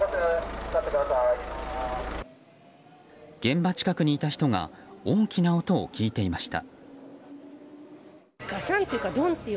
現場近くにいた人が大きな音を聞いていました。